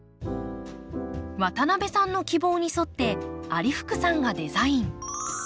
渡邊さんの希望に沿って有福さんがデザイン。